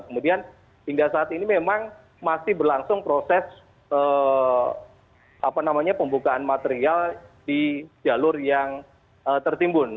kemudian hingga saat ini memang masih berlangsung proses pembukaan material di jalur yang tertimbun